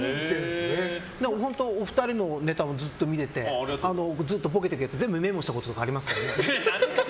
お二人のネタもずっと見ててずっとボケてるやつメモしたことあります。